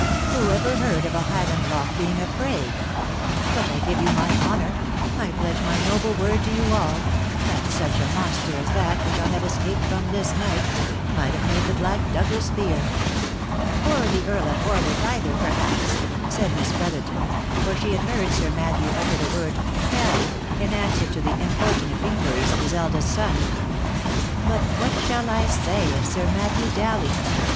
Who ever heard of a Highlandloch being afraid ? But I give you my honour — I pledge my nobie word to you all, that such a monster as that which I have escaped from this night, might have made the black Douglas fear !"" Or the Earl of Warwick either, perhaps," said Miss Brotherton, for she had heard Sir Matthew utter the word " cow," in answer to the importunate inquiries of his eldest son. "But what shall I say of Sir Matthew Dowling?"